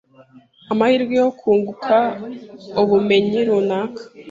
amahirwe yo kunguka ubumenyi runaka